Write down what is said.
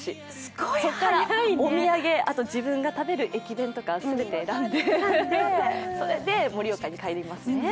そこからお土産自分が食べる駅弁とか全て選んでそれで盛岡に帰りますね。